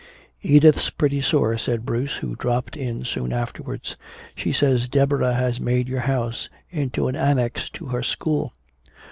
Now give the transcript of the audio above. "Edith's pretty sore," said Bruce, who dropped in soon afterwards. "She says Deborah has made your house into an annex to her school."